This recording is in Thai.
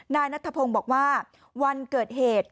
นายนัทพงศ์บอกว่าวันเกิดเหตุ